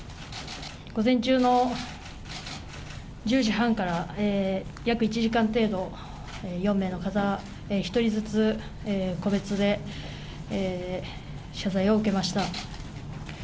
午前中の１０時半から約１時間程度、４名の方、１人ずつ個別で謝罪を受けました。